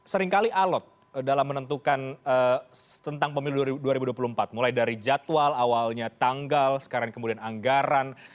seringkali alot dalam menentukan tentang pemilu dua ribu dua puluh empat mulai dari jadwal awalnya tanggal sekarang kemudian anggaran